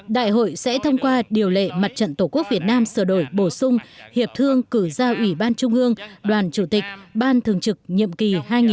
đại hội sẽ thông qua điều lệ mặt trận tổ quốc việt nam sửa đổi bổ sung hiệp thương cử ra ủy ban trung ương đoàn chủ tịch ban thường trực nhiệm kỳ hai nghìn một mươi chín hai nghìn hai mươi bốn